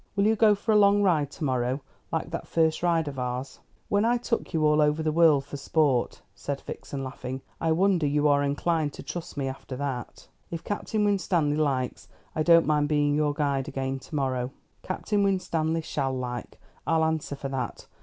Will you go for a long ride to morrow like that first ride of ours?" "When I took you all over the world for sport?" said Vixen laughing. "I wonder you are inclined to trust me, after that. If Captain Winstanley likes I don't mind being your guide again to morrow." "Captain Winstanley shall like. I'll answer for that.